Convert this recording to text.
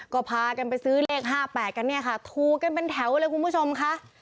ก็พากันไปซื้อเลข๕๘กันเนี่ยค่ะถูกกันเป็นแถวเลยคุณผู้ชมค่ะ